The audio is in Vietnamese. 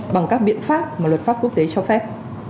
bằng các biện pháp mà luật pháp quốc tế cho phép